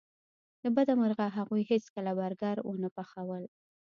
له بده مرغه هغوی هیڅکله برګر ونه پخول